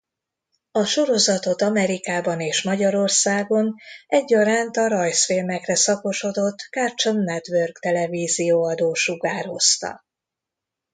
A sorozatot Amerikában és Magyarországon egyaránt a rajzfilmekre szakosodott Cartoon Network televízióadó sugározta.